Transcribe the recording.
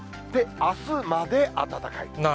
で、あすまで暖かい。